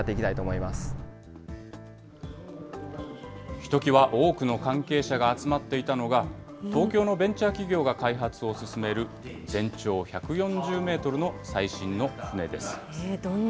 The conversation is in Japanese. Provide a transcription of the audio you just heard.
ひときわ多くの関係者が集まっていたのが、東京のベンチャー企業が開発を進める、全長１４０メートルの最新の船です。